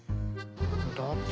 だって